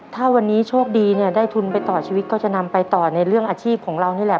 ถ้าวันนี้โชคดีเนี่ยได้ทุนไปต่อชีวิตก็จะนำไปต่อในเรื่องอาชีพของเรานี่แหละ